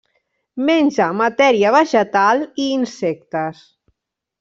Menja matèria vegetal i insectes.